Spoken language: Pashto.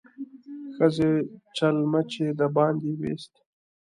ښځې چلمچي د باندې ويست.